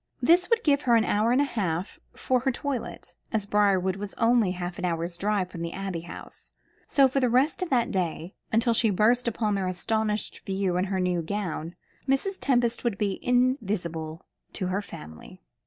This would give her an hour and a half for her toilet, as Briarwood was only half an hour's drive from the Abbey House. So for the rest of that day until she burst upon their astonished view in her new gown Mrs. Tempest would be invisible to her family.